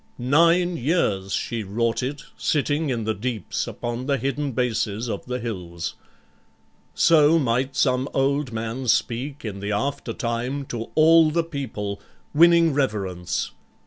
Nine years she wrought it, sitting in the deeps Upon the hidden bases of the hills.' So might some old man speak in the after time To all the people, winning reverence.